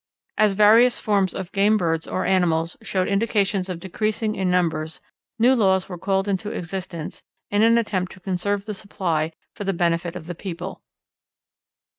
As various forms of game birds or animals showed indications of decreasing in numbers new laws were called into existence in an attempt to conserve the supply for the benefit of the people.